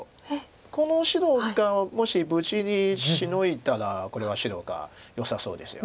この白がもし無事にシノいだらこれは白がよさそうですよね。